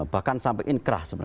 bahkan sampai inkrah